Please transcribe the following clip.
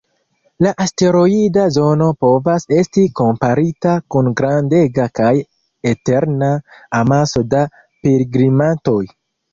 La asteroida zono povas esti komparita kun grandega kaj eterna amaso da pilgrimantoj.